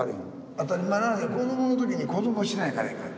当たり前なのに子どもの時に子どもをしないからいかん。